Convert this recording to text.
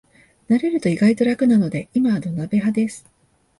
慣れると意外と楽なので今は土鍋派です